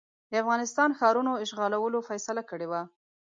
د افغانستان ښارونو اشغالولو فیصله کړې وه.